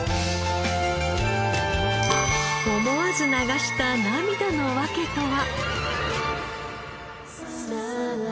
思わず流した涙の訳とは？